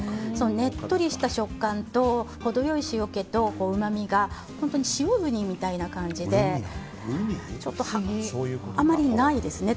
ねっとりした食感と程良い塩気とうまみが塩ウニみたいな感じであまりないですね。